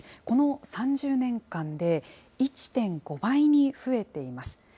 この３０年間で１．５倍に増えています。